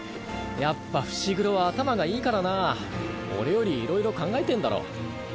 やっぱ伏黒は頭がいいからな俺よりいろいろ考えてんだろ。